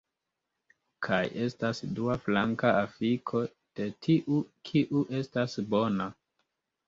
Kaj estas dua flanka afiko de tiu kiu estas bona